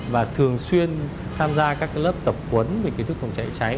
và thường xuyên tham gia các lớp tập huấn về kiến thức phòng cháy cháy